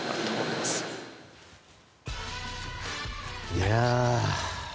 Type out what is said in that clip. いや。